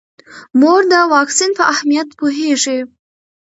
مور د واکسین په اهمیت پوهیږي.